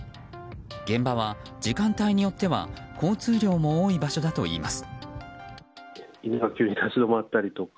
現場は時間帯によっては交通量も多い場所だといいます。